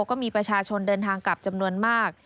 ก็มีประชาชนเดินทางกลับจำนวนมาก